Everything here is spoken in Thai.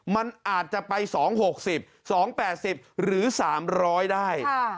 มันอาจจะไปสองหกสิบสองแปดสิบหรือสามร้อยได้ค่ะ